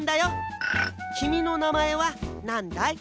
きみのなまえはなんだい？